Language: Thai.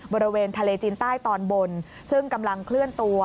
บริเวณทะเลจีนใต้ตอนบนซึ่งกำลังเคลื่อนตัว